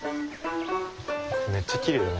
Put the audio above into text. めっちゃきれいだね。